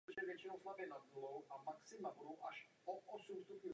Věnuje se podnikání.